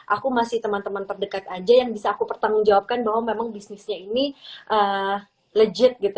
aku masih teman teman terdekat aja yang bisa aku pertanggungjawabkan bahwa memang bisnisnya ini legit gitu